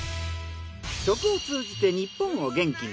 食を通じて日本を元気に！